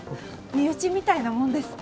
身内みたいなもんです